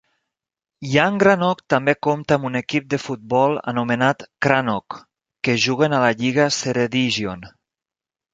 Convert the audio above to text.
Llangrannog també compta amb un equip de futbol anomenat Crannog, que juguen a la Lliga Ceredigion.